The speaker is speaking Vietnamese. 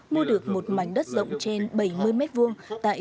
mua được một mảnh đất rộng trên bảy mươi m hai tại